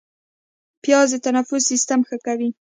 پیاز د تنفس سیستم ښه کوي